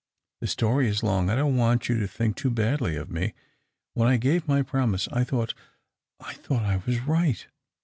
" The story is long. I don't want you to think too badly of me. When I gave my promise I thought — I thought I was right.